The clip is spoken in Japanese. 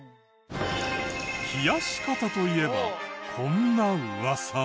冷やし方といえばこんなウワサも。